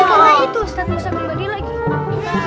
iya karena itu ustadz mursa kembali lagi